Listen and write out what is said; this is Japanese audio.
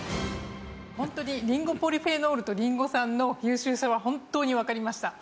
本当にリンゴポリフェノールとリンゴ酸の優秀さは本当にわかりました。